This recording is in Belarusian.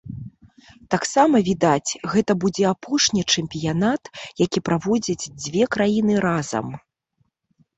Таксама, відаць, гэта будзе апошні чэмпіянат, які праводзяць дзве краіны разам.